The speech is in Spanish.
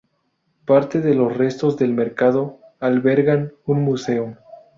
Parte de los restos del mercado albergan un museo.